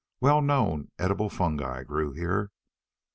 Well known edible fungi grew here.